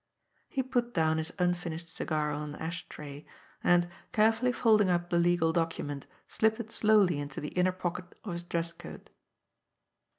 He put down his unfinished cigar on an ash tray, and, carefully folding up the legal document, slipped it slowly into the inner pocket of his dress coat.